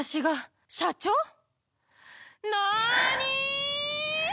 なに⁉